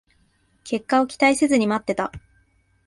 結果を期待せずに待ってた